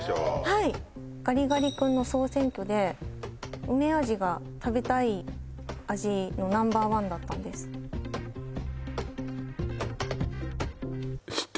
はいガリガリ君の総選挙でうめ味が食べたい味のナンバーワンだったんですあっ